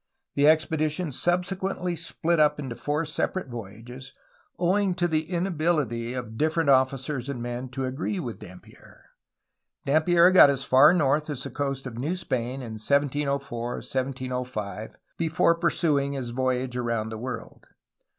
The expedition sub sequently split up into four separate voyages, owing to the inabihty of different officers and men to agree with Dampier. Dampier got as far north as the coast of New Spain in 1704 1705 before pursuing his voyage around the world.